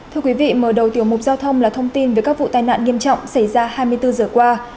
thưa quý vị mở đầu tiểu mục giao thông là thông tin về các vụ tai nạn nghiêm trọng xảy ra hai mươi bốn giờ qua